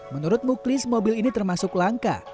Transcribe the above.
menurut muklis mobil ini termasuk langka